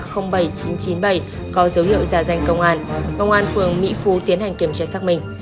có dấu hiệu giả danh công an công an phường mỹ phú tiến hành kiểm tra xác minh